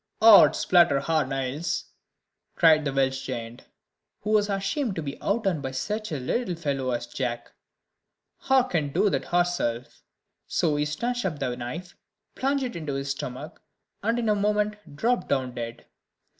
"Ods splutter hur nails," cried the Welsh giant, who was ashamed to be outdone by such a little fellow as Jack; "hur can do that hurself." So he snatched up the knife, plunged it into his stomach, and in a moment dropped down dead.